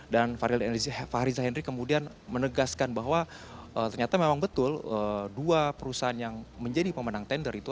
dan faryjal henry kemudian menegaskan bahwa ternyata memang betul dua perusahaan yang menjadi pemenang tender itu